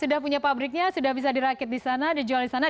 sudah punya pabriknya sudah bisa dirakit di sana dijual di sana